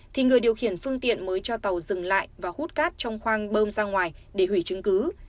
thì người điều khiển phương tiện mới cho tàu dừng lại và hút cát trong khoang bơm ra ngoài để hủy chứng cứ